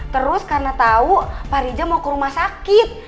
terus karena tahu pak rija mau ke rumah sakit